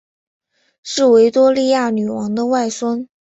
是维多利亚女王的外孙。